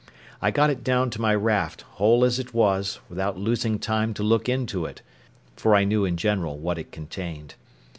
I got it down to my raft, whole as it was, without losing time to look into it, for I knew in general what it contained.